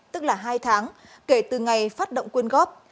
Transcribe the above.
tức là hai tháng kể từ ngày phát động quyên góp